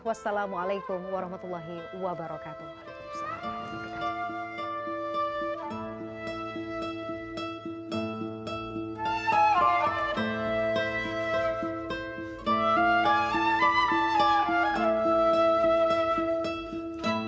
wassalamualaikum warahmatullahi wabarakatuh